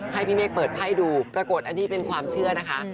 ให้พี่เมฆเปิดไพ่ดูปรากฏอันนี้เป็นความเชื่อนะคะ